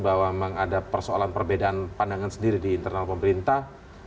bahwa memang ada persoalan perbedaan pandangan sendiri di internal pemerintah